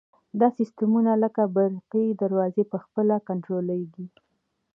دا سیسټمونه لکه برقي دروازې په خپله کنټرولیږي.